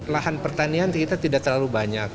lahan pertanian kita tidak terlalu banyak